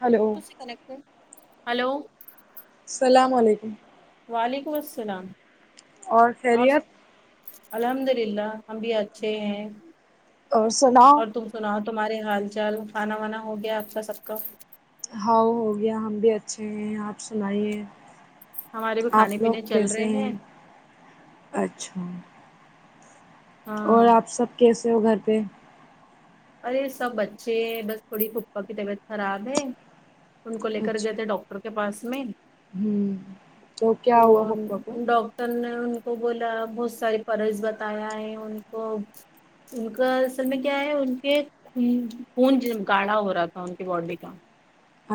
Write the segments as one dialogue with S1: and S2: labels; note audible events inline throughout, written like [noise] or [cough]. S1: hello
S2: کس سے connect ہے ہیلو
S1: السلام علیکم
S2: وعلیکم السلام
S1: اور خیریت
S2: الحمد للہ ہم بھی اچھے ہیں
S1: اور سناؤ
S2: اور تم سناؤ تمہارے حال چال کھانا وانا ہو گیا آپ کا سب کا
S1: ہاؤ ہو گیا ہم بھی اچھے ہیں آپ سنائیے
S2: ہمارے بھی
S1: آپ
S2: کھانے
S1: لوگ
S2: پینے چل رہے
S1: کیسے ہیں اچھا
S2: ہاں
S1: اور آپ سب کیسے ہو گھر پہ
S2: ارے سب اچھے ہے بس تھوڑی پھوپھا کی طبیعت خراب ہے ان کو لے کر
S1: اچھا
S2: گئے تھے ڈاکٹر کے پاس میں
S1: ہوں تو کیا ہوا پپا کو
S2: انکا ٹر نے ان کو بولا بہت ساءی [unintelligible] بتایا ہے ان کو ان کا اصل میں کیا ہے یہ خون گاڑھا ہو رہا تھا ان کی باڈی کا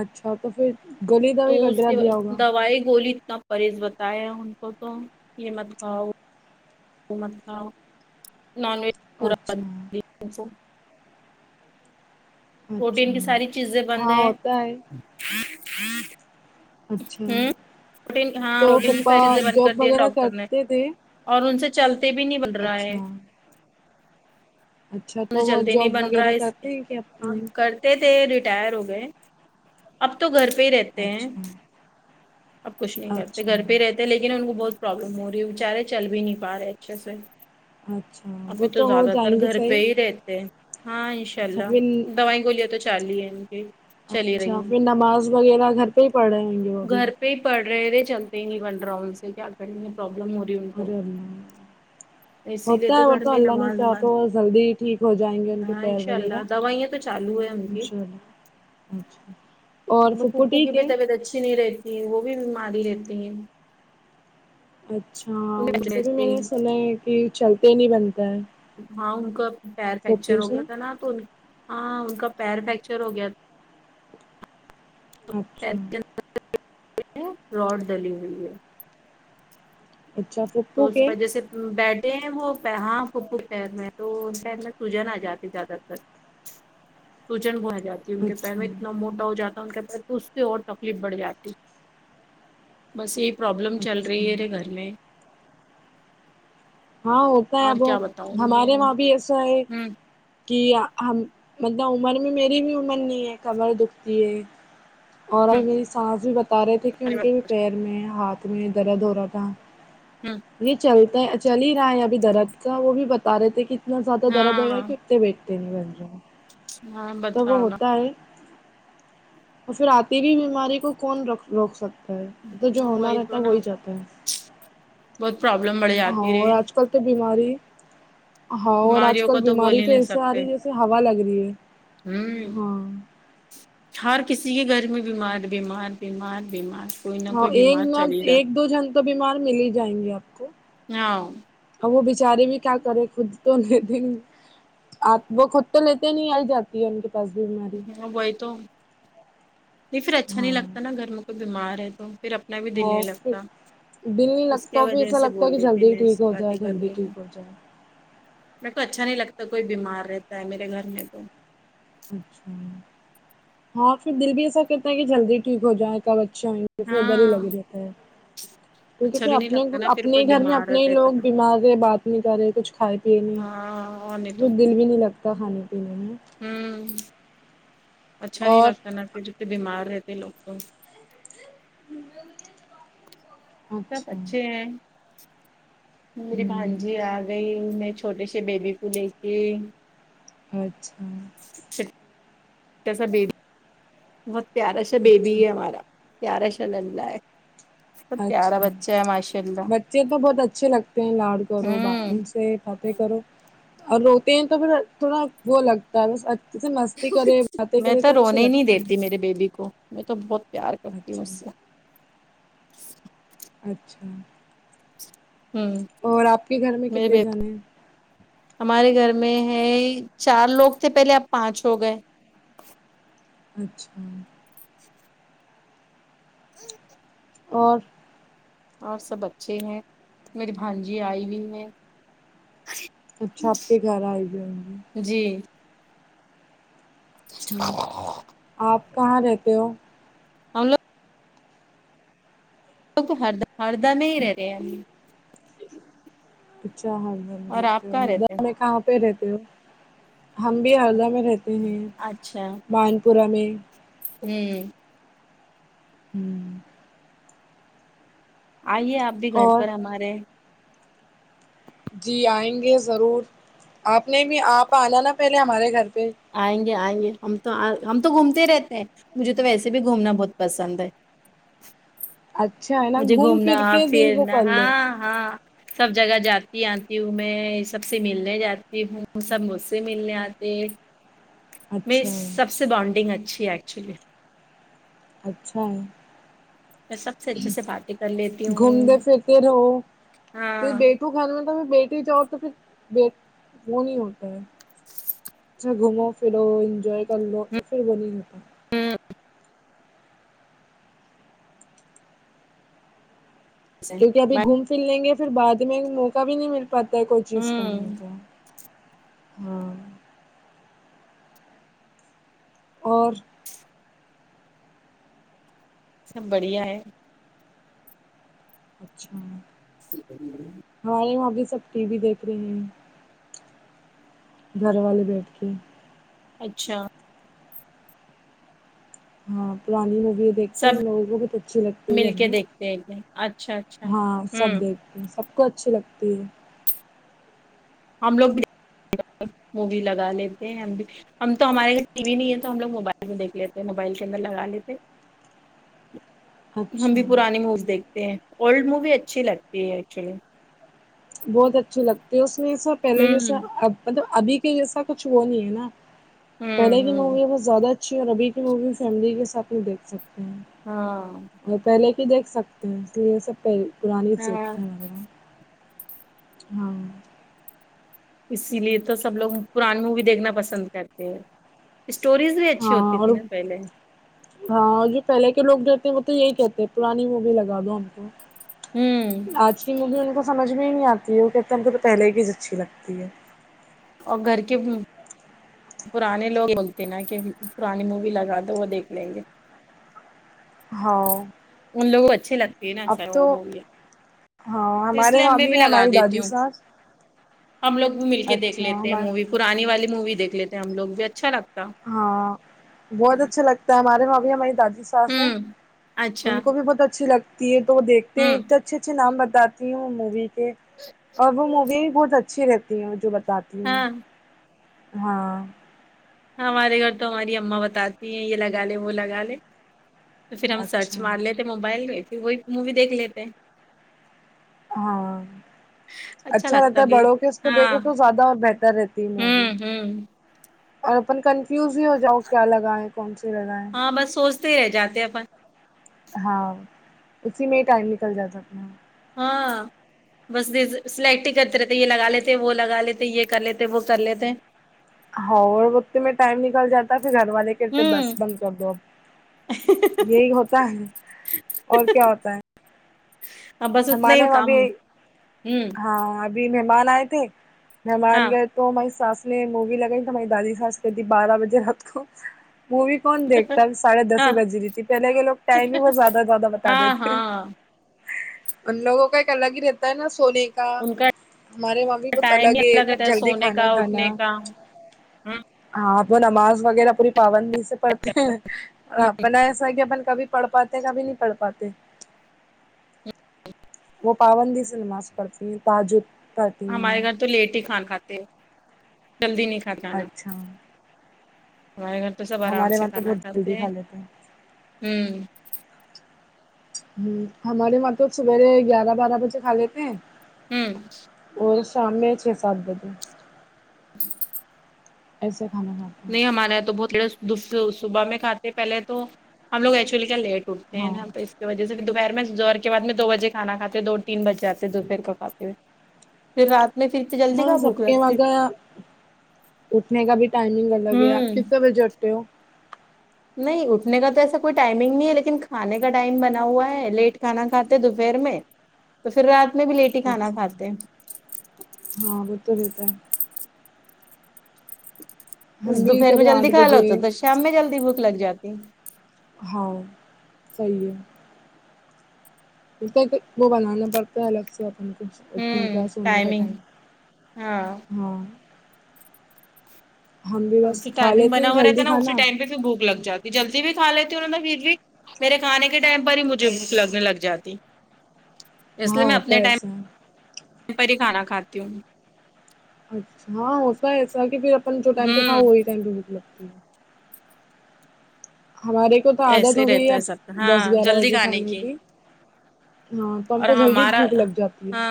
S1: اچھا تو پھر گلی دوای وغیرہ دیا ہوگا
S2: وائے گولی اتنا پرہز بتایا ان کو تو یہ مت کھاؤ وہ مت کھاؤ [inaudible]
S1: اچھا
S2: [unintelligible]
S1: اچھا
S2: پروٹین کی ساری چیزیں بند
S1: ہاں
S2: ہے
S1: ہوتا اچھا
S2: ہوں پروٹین ہاں
S1: تو
S2: پروٹین کی ساری
S1: پھوپھا
S2: چیزیں بند کر
S1: جوب
S2: دی
S1: وغیرہ
S2: ڈاکٹر نے
S1: کرتے تھے
S2: اور ان سے چلتے بھی نہیں بن رہا ہے
S1: اچھا اچھا
S2: مجھے
S1: تو وہ
S2: جلدی نہیں
S1: جاب
S2: بن رہا
S1: وغیرہ
S2: ہے اس
S1: کرتے ہیں کہ
S2: آج
S1: اپنے
S2: کل تے تھے ریٹائر ہو گئے اب تو گھر پہ ہی رہتے ہیں
S1: اچھا
S2: اب کچھ نہیں کرتے
S1: اچھا
S2: گھر پہ ہی رہتے لیکن ان کو بہت پرابلم ہو رہی ہے بیچارے چل بھی نہیں پا رہے اچھے سے
S1: اچھا
S2: ابھی
S1: وہ
S2: تو
S1: ہو
S2: زیادہ تر
S1: جائیں گے
S2: گھر پہ
S1: صحیح
S2: ہی رہتے ہیں ہاں انشاء
S1: اچھا
S2: اللہ
S1: پھر
S2: دوائی گولیا تو چالو ہی ہے کی چلی
S1: اچھا
S2: رہی ہیں
S1: پھر نماز وغیرہ گھر پہ ہی پڑھ رہے ہوں گے وہ ابھی
S2: نث پڑھ رہے تھے چلتے ہی نہیں بن رہا ان سے کیا کرینگے پرابلم ہو
S1: ارے اللہ
S2: اسی لیے
S1: ہوتا
S2: تو
S1: ہے وہ
S2: گھر میں
S1: اللہ نے
S2: نماز
S1: چاہا
S2: وماز
S1: تو جلدی ٹھیک ہو جائیں گے
S2: [inaudible]
S1: ان کے
S2: ہاں
S1: پیر
S2: انشاء
S1: وغیرہ
S2: اللہ دوائیاں تو چالو ہے انے
S1: انشاء اللہ اچھا اور پھپھو
S2: پھوپھو کی
S1: ٹھیک
S2: بھی
S1: ہے
S2: طبیعت اچھی نہیں رہتی وہ بھی بیماری رہتے ہیں
S1: اچھا ان
S2: انہیں
S1: سے بھی میں
S2: رہتی
S1: نے سنا ہے کہ چلتے ہی نہیں بنتا ہے
S2: ہاں ان کا پیر فریکچر
S1: پھپھو
S2: ہو
S1: سے
S2: گیا تھا نا تو ہاں ان کا پیر فریکچر ہو گیا تھا
S1: اچھا
S2: [inaudible] راڈ ڈلی ہوئی ہے
S1: اچھا پھر
S2: تو اس پر جیسے بیٹھے ہیں وہ ہاں پھوپھو شہر میں تو شہر میں سوجن آ جاتی زیادہ تر سجن [unintelligible] کہ ان کے پیر
S1: اچھا
S2: میں اتنا موٹا ہو جاتا ان کے پیر تو اس سے اور تکلیف بڑھ جاتی بس یہی پروابلم چل
S1: اچھا
S2: رہی ہے رے گھر میں
S1: ہاں ہوتا ہے
S2: اور
S1: اب
S2: کیا بتاؤں میں
S1: ہمارے
S2: ہوں
S1: وہاں بھی ایسا ہے کہ ہم مطلب عمر میں میری بھی عمر نہیں ہے کمر دکھتی ہے اور
S2: ہوں
S1: میری سانس بھی بتا رہے تھے کہ
S2: ارے
S1: ان کے
S2: باپ،
S1: پیر میں ہاتھ میں درد ہو رہا تھا
S2: ہوں
S1: یہ چلتا ہے چل ہی رہا ہے ابھی درد کا وہ بھی بتا رہے تھے کہ نہ زیادہ درد ہورا
S2: ہاں
S1: کہ اتٹھتے بیٹھتے نہیں ہن جؤ
S2: ہاں
S1: تو وہ
S2: بتاؤ نا
S1: ہوتا ہے اور پھر آتی ہوئی بیماری کو کون ر روک سکتا تو جو ہونا
S2: وہی تو
S1: رہتا ہے وہ
S2: نا
S1: ابی ہوتا ہے
S2: بہت پرابلم بڑھ
S1: ہاں
S2: جاتی
S1: اور
S2: رہے
S1: آج کل تو بیماری ہاں اور آج
S2: بیماریوں کا
S1: کل
S2: بول
S1: بیماری
S2: ہی
S1: تو
S2: نہیں
S1: ایسے آ
S2: سکتے
S1: رہی ہے جیسے ہوا لگ رہی ہے
S2: ہوں
S1: ہاں
S2: ہر کسی کے گھر میں بیمار بیمار بیمار بیمار کوئی نہ
S1: ہاں
S2: کوئی
S1: ایک
S2: بیمار
S1: نہ
S2: چل ہی
S1: ایک
S2: رہا
S1: دو جن تو بیمار مل ہی جائیں گے آپ کو
S2: ہاں
S1: اب وہ بیچاری بھی کیا کریں خود تو نہیں دیں گے آپ وہ خود تو لیتے نہیں آئی جاتی ہے ان کے کس دن میں
S2: ہاں وہی تو نہیں پھر اچھا نہیں
S1: ہاں
S2: لگتا نا گھر میں کوئی بیمار ہے تو پھر اپنا بھی دل
S1: ہ
S2: نہیں
S1: پھر
S2: لگتا
S1: دل نہیں
S2: اس
S1: لگتا
S2: کی
S1: اور پھر
S2: وجہ
S1: ایسا
S2: سے
S1: لگتا ہے
S2: بول
S1: کہ
S2: رہی تھی
S1: جلدی
S2: میں
S1: ٹھیک
S2: ایسی
S1: ہو
S2: باتیں
S1: جائے
S2: کر
S1: جلدی
S2: رہی ہوں
S1: ٹھیک ہو جائے
S2: میرے کو اچھا نہیں لگتا کوئی بیمار رہتا ہے میرے گھر میں تو
S1: ہاں پھر دل بھی ایسا کرتا ہے کہ جلدی ٹھیک ہو جائے چلو اچھا ہئیں گے پھر ڈر ہی
S2: ہاں
S1: لگی رہتا ہے کیونکہ
S2: اچھا
S1: پھر
S2: بھی نہیں
S1: اپنے
S2: لگتا نا پھر
S1: اپنے
S2: کوئی
S1: ہی گھر میں
S2: بیمار
S1: اپنے ہی
S2: رہتا ہے
S1: لوگ
S2: تو
S1: بیمار رہے بات نہیں کر رہے کچھ کھائے پیے نہیں
S2: ہاں اور نہیں
S1: تو پھر دل بھی نہیں لگتا کھانے پینے میں
S2: ہوں اچھا نہیں
S1: اور
S2: لگتا نا پھر جسے بیمار رہتے لوگ تو سب
S1: اچھا
S2: اچھے ہیں میری بھان
S1: ہوں
S2: جی آ گئی میں چھوٹے سے بیبی کو لے کے
S1: اچھا
S2: اچاسا بےبی بہت پیارا سا بیبی
S1: اچھا
S2: ہے ہمارا پیارا سا للا ہے سب پیارا
S1: اچھا
S2: بچہ ہے ماشاء اللہ
S1: بچے تو بہت اچھے لگتے ہیں لاڑکرو بات
S2: ہوں
S1: کذو فاتح کرو اور روتے ہیں تو پھر تھوڑا وہ لگتا ہے بس اچھا جے مستی کرے باتیں
S2: میں
S1: کرے تو اچھے
S2: رونے ہی نہیں
S1: لگتے ہیں
S2: دیتی میرے بیبی کو میں تو بہت پیار کرتی ہوں اس
S1: اچھا
S2: سے
S1: اچھا
S2: ہوں
S1: اور آپ کے گھر میں
S2: میرے
S1: کتنے
S2: بیبی
S1: جنے ہیں
S2: ہمارے گھر میں ہے چار لوگ تھے پہلے اب پانچ ہو گئے
S1: اچھا
S2: امم
S1: اور
S2: اور سب اچھے ہیں میری بھانجی آئی ہوئی ہیں
S1: اچھا آپ کے گھر آی ہے
S2: جی
S1: اچھا آپ کہاں رہتے ہو
S2: ہم لوگ کو ہرد ہردا میں ہی رہ رہےابھی
S1: اچھا ہردو میں
S2: اور
S1: رہتے
S2: آپ
S1: ہو
S2: کہاں
S1: ہردہ
S2: رہتے ہیں
S1: میں کہاں پہ رہتے ہو ہم بھی ہردہ میں رہتے ہیں مان پورہ میں
S2: امم
S1: امم
S2: آئیے آپ بھی گھر
S1: اور
S2: پر ہمارے
S1: جی آئیں گے ضرور آپ نے بھی آپ آنا نا پہلے ہمارے گھر پہ
S2: آئیں گے آئیں گے ہم تو ہم تو گھومتے ہی رہتے ہیں مجھے تو ویسے بھی گھومنا بہت پسند ہے
S1: اچھا ہے نا
S2: مجھے
S1: گھوم
S2: گھومنا
S1: پھر کے دل کو
S2: پھرنا
S1: کر لو
S2: ہاں ہاں سب جگہ جاتی آتی ہوں میں سب سے ملنے جاتی ہوں سب مجھ سے ملنے آتے میری
S1: اچھا ہے،
S2: سب سے بانڈنگ اچھی ہے ایکچولی
S1: اچھا
S2: میں سب سے اچھے سے باتیں کر لیتی ہوں
S1: تم بے فکر ہو پھر
S2: ہاں
S1: بیٹو گھر میں تو بیٹے جاؤ تو پھر بیٹ وہ نہیں ہوتا ہے اچھا گھومو پھرو انجوائے کر لو تو پھر وہ نہیں رہتا
S2: ہوں
S1: کیونکہ ابھی گھوم پھر لیں گے پھر بعد میں موقع بھی نہیں مل پاتا ہے کوئی چیز
S2: ہوں
S1: کرنے کا ہاں اور
S2: سب بڑھیا ہے
S1: اچھا ہمارے یہاں بھی سب ٹی وی دیکھ رہے ہیں گھر والے بیٹھ کے
S2: اچھا
S1: ہاں پرانی موی دیکھتے
S2: سب
S1: ہیں لوگوں کو بہت اچھی لگتی ہے
S2: مل
S1: گھر
S2: کے
S1: میں
S2: دیکھتے ہیں اچھا اچھا
S1: ہاں سب
S2: ہوں
S1: دیکھ سب کو اچھی لگتی ہے
S2: ہم لوگ بھی مووی لگا لیتے ہیں ہم بھی ہم تو ہمارے گھر ٹی وی نہیں ہے تو ہم لوگ موبائل میں دیکھ لیتے ہیں موبائل کے اندر لگا لیتے ہم
S1: اچھا
S2: بھی پرانی موویز دیکھتے ہیں اولڈ مووی اچھی لگتی ہے ایکچولی
S1: بہت اچھیے لگتے ہے اس میں سا پہلے
S2: ہوں
S1: جیسا اب مطلب ابھی کے جیسا کچھ وہ نہیں ہے نا
S2: ہوں
S1: پہلے کی
S2: ہوں
S1: مووی بہت زیادہ اچھی ہے اور ابھی کی مووی فیملی کے ساتھ میں دیکھ سکتے ہیں
S2: ہاں
S1: اور پہلے کی دیکھ سکتے ہیں اس لیے یہ سب پہ پرانی
S2: ہاں
S1: چیزیں ہیں وغیرہ ہاں
S2: اسی لیے تو سب لوگ پرانی مووی دیکھنا پسند کرتے ہیں اسٹوریز بھی اچھی
S1: ہاں
S2: ہوتی
S1: اور
S2: تھی نا پہلے
S1: ہاں اور جو پہلے کے لوگ رہتے ہیں وہ تو یہی کہتے ہیں پرانی مووی لگا دو ہم کو
S2: ہوں
S1: آج کی مووی ان کو سمجھ میں ہی نہیں آتی ہے وہ کہتے ہم کو تو پہلے کی اچھی لگتی ہے
S2: اور گھر کے پرانے لوگ بولتے ہیں نا کہ پرانی مووی لگا دو وہ دیکھ لیں گے
S1: ہاں
S2: ان لوگوں کو اچھے لگتے ہیں نا
S1: اب
S2: سر
S1: تو
S2: وہ وہ بھی
S1: ہاں
S2: تو اس
S1: ہمارے
S2: لیے
S1: وہاں
S2: ہمے بھی
S1: ہے
S2: لگا
S1: ہماری
S2: دیتی
S1: دادی
S2: ہوں
S1: ساس
S2: ہم لوگ بھی مل کے دیکھ
S1: اچھا
S2: لیتے ہیں
S1: ہمار
S2: مووی پرانی والی مووی دیکھ لیتے ہیں ہم لوگ بھی اچھا لگتا ہے
S1: ہاں بہت اچھا لگتا ہے ہمارے وہاں بھی ہماری دادی سے
S2: ہوں اچھا
S1: ان کو بھی بہت اچھی لگتی ہے تو وہ دیکھتے ہیں
S2: ہوں
S1: اتنے اچھے اچھے نام بتاتے وہ مووی کے اور وہ مووی بھی بہت اچھی رہتی ہے جو بتاتی ہیں
S2: ہاں
S1: ہاں
S2: ہمارے گھر تو ہماری اما بتاتی ہیں یہ لگا لے وہ لگا لے تو پھر ہم سچ
S1: اچھا
S2: ماں لیکے موبائل میں پھر وہی مووی دیکھ لیتے ہے
S1: ہاں اچھا
S2: لگتا
S1: رہتا ہے
S2: پھر
S1: بڑوں کے اس کو دیکھو
S2: ہاں
S1: تو زیادہ اور بہتر رہتی ہے مووی
S2: ہوں ہوں
S1: اور اپن کنفیوز ہی ہو جاؤ کیا لگاۓ کون سی لگاۓ
S2: ہاں بس سوچتے ہی رہ جاتے ہیں اپن
S1: ہاں اسی میں ہی ٹائم نکل جا تا
S2: ہاں بس سلیکٹ ہی کرتے رہتے یہ لگا لیتے وہ لگا لیتے یہ کر لیتے وہ کر لیتے
S1: ہاں اور وقت میں ٹائم نکل جاتا پھر گھر والے کے کرتے
S2: ہوں
S1: بس بند کر دو اب یہی ہوتا ہے اور کیا ہوتا ہے
S2: ہاں بس اتنا
S1: ہمارے
S2: ہی کام ہوں
S1: یہاں ابھی مہمان آئے تھے
S2: ہاں
S1: مہمان گئے تو ہماری ساس نے مووی لگائی تو ہماری دادی سانس کہتی تھی بارہ بجے رات کو مووی کون دیکھتا ہے ساڑے دس
S2: ہاں
S1: ہی بجی رہی تھی پہلے کے لوگ ٹائم ہی بہت زیادہ زیادہ بتا
S2: ہاں
S1: دیتے ہے
S2: ہاں
S1: ان لوگوں کا ایک الگ ہی رہتا ہے نا سونے کا ہمارے ممی بہت
S2: ٹائم ہی
S1: الگ ہے سب
S2: رہتا
S1: جلدی
S2: سونے
S1: کھانا
S2: کا
S1: کھانا
S2: اٹھنے کا ہوں
S1: ہاں تو نماز وغیرہ پوری پابندی سے پڑھتے ہیں اپنا ایسا ہے کہ اپن کبھی پڑھ پاتے کبھی نہیں پڑھ پاتے وہ پابندی سے نماز پڑھتی ہیں تہجد تک
S2: ہمارے گھر تو لیٹ ہی کھانا کھاتے ہیں جلدی نہیں کھاتے نا
S1: اچھا
S2: ہمارے گھر تو سب آرام
S1: ہمارے
S2: سے
S1: وہاں تو
S2: کھانا
S1: بہت جلدی
S2: کھاتے ہیں
S1: کھا لیتے
S2: ہوں
S1: ہہمم ہمارے وہاں تو سبیرے گیارہ بارہ بجے کھا لیتے ہیں
S2: ہوں
S1: اور شام میں چھ سات بجے ایسا کھانا کھاتے
S2: نہیں
S1: ہیں
S2: ہمارے یہاں تو بہتے صبح میں کھاتے پہلے تو ہم لوگ ایکچولی کیا لیٹ اٹھتے
S1: ہاں
S2: ہینا تو اس وجہ سے دوپہر میں زہر کے بعد میں دو بجے کھانا کاتے ہو دو تین بجےاتے دوپہر کو کاتے ہوئے پھر رات میں تھر
S1: ہاں سب کے وگہ اٹھنے کا بھی ٹائمنگ الگ ہے آپ
S2: ہوں
S1: کتنے بجے اٹھتے ہو
S2: نہیں اٹھنے کا تو ایسا کوئی ٹائمنگ نہیں ہے لیکن کھانے کا ٹائم بنا ہوا ہے لیٹ کھانا کھاتے دوپہر میں تو پھر رات میں بھی لیٹ ہی کھانا
S1: اچھا
S2: کھاتے
S1: ہاں وہ تو رہتا ہے
S2: اس
S1: ہم بھی
S2: دوپہر میں
S1: کبھی
S2: جلدی
S1: آٹھ
S2: کھا ہو
S1: بجے
S2: تو تو شام میں جلدی بھوک لگ جاتی
S1: ہاں صحیح ہے وہ بنا نا پڑھتا ہے الگ سے انکے اٹھنے
S2: ہوں
S1: کا سونے کا ٹائم
S2: ٹائمنگ
S1: ہاں ہم بھی بس
S2: جو
S1: کھا
S2: ٹائمنگ
S1: لیتے
S2: بنا
S1: ہیں
S2: ہو رہتا ہے
S1: جلدی
S2: نا اسی
S1: کھانا
S2: ٹائم پہ پھر بھک لگ جاتا جلدی بھی کھا لیتی ہوں پھر بھی میرے کھانے کے ٹائم پر ہی مجھے بھک لگنے لگ جاتی اس لیے
S1: ہاں
S2: میں
S1: ہوتا
S2: اپنے
S1: ہے
S2: ٹائم
S1: ایسا
S2: پر ہی کھانا کھاتی ہوں
S1: اچھا ہاں ہوتا ایسا کہ پھر اپن جو ٹائم پہ
S2: ہوں
S1: کھؤ وہی ٹائم پہ بک لگتی ہے ہمارے کو تو عادت
S2: ایسے ہی
S1: ہو گئی ہے
S2: رہتا سب
S1: اب دس
S2: ہاں
S1: گیارہ
S2: جلدی
S1: بجے کھانے کی ہاں تو ہم
S2: اور
S1: کو جلدی
S2: ہمارا
S1: بھوک لگ جاتی ہے
S2: ہاں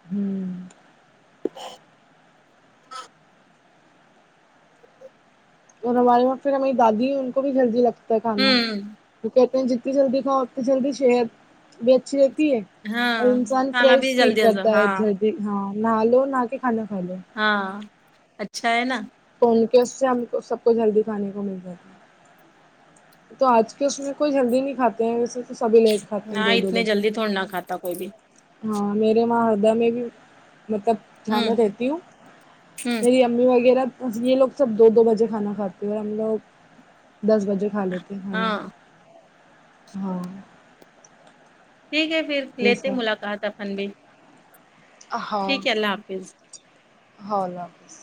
S1: ہوں اور ہمارے وہاں پھر ہماری دادی ان کو بھی جلدی لگتا ہے کھانا
S2: ہوں
S1: وہ کہتے ہیں جتنی جلدی کھاؤ اتنی جلدی صحت بھی اچھی رہتی ہے اور
S2: ہاں
S1: انسان
S2: کھانا بھی
S1: فریش فیل
S2: جلدی ہضم
S1: کرتا ہے
S2: ہاں
S1: جلدی ہاں نہا لو نہ کے کھانا کھا لو
S2: ہاں اچھا ہے نا
S1: تو ان کے اس سے ہم کو سب کو جلدی کھانے کو مل جائے تو آج کے اس میں کوئی جلدی نہیں کھاتے ہیں ویسے تو سبھی لیٹ کھاتے ہیں دو دو بجے
S2: تھوڑاے نہ کھاتا کوئی بھی
S1: ہاں میرے وہاں ہردا میں بھی مطلب دھیان
S2: ہوں
S1: میں رہتی ہوں
S2: ہوں
S1: میری ممی وغیرہ یہ لوگ سب دو دو بجے کھانا کھاتے اور ہم لوگ دس بجے کھا لیتے
S2: ہاں
S1: ہمم ہاں
S2: ٹھیک ہے پھر لیتے
S1: ایسا
S2: ملاقات اپن بھی
S1: ہاں
S2: ٹھیک ہے اللہ حافظ
S1: اں لظ